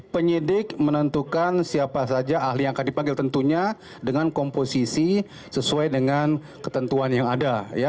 penyidik menentukan siapa saja ahli yang akan dipanggil tentunya dengan komposisi sesuai dengan ketentuan yang ada